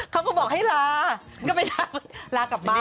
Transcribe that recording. เขาก็บอกให้ลาก็ไปลากลับบ้าน